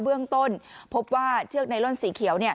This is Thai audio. เบื้องต้นพบว่าเชือกไนลอนสีเขียว